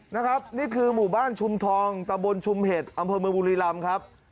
นะครับนี่คือหมู่บ้านชุมทองตะบนชุมเห็ดอำเภอเมืองบุรีรำครับ